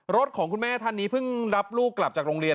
ของคุณแม่ท่านนี้เพิ่งรับลูกกลับจากโรงเรียน